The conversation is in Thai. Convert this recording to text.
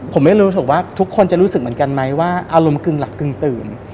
ผมไม่รู้สึกว่าทุกคนจะรู้สึกเหมือนกันไหมว่าอารมณ์กึ่งหลับกึ่งตื่น